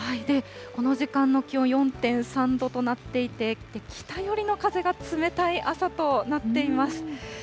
この時間の気温、４．３度となっていて、北寄りの風が冷たい朝となっています。